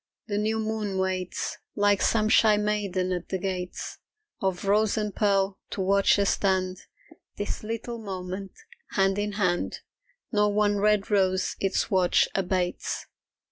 The new moon waits Like some shy maiden at the gates Of rose and pearl, to watch us stand This little moment, hand in hand Nor one red rose its watch abates.